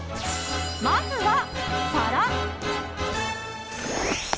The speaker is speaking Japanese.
まずは、皿。